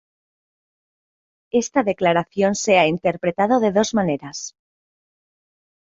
Esta declaración se ha interpretado de dos maneras.